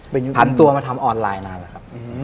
พันตัวมาทำออนไลน์นานแล้วครับ